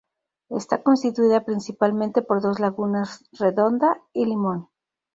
Está constituida principalmente por dos lagunas: Redonda y Limón.